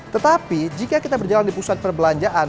tetapi jika kita berjalan di pusat perbelanjaan